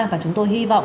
và chúng tôi hy vọng